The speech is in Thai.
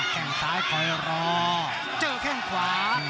แค่งซ้ายคอยรอเจอแข้งขวา